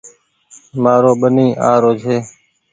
مآرو ٻني آ رو ڇي